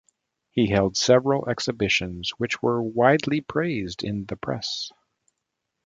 He held several exhibitions which were widely praised in the press.